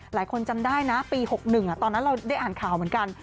หลายคนจำได้นะปี๖๑ตอนนั้นเราได้อ่านข่าวเหมือนกัน